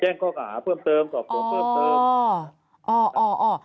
แจ้งข้อเก่าหาเพิ่มเติมสอบส่งเพิ่มเติม